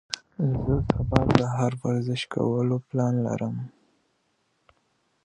زه سبا سهار ورزش کولو پلان لرم.